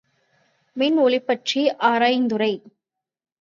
மின் ஒலிபற்றி ஆராயுந்துறை.